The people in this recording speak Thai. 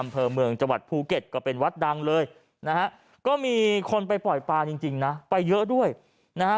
เป็นวัดดังเลยนะฮะก็มีคนไปปล่อยปลาจริงนะไปเยอะด้วยนะฮะ